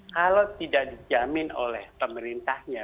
kalau tidak dijamin oleh pemerintahnya